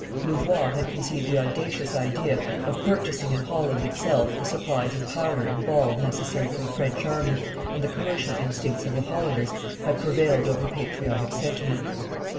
Louvois had conceived the audacious idea of purchasing in Holland itself the supplies of powder and ball necessary for the French army and the commercial instincts of the Hollanders had prevailed over patriotic sentiment.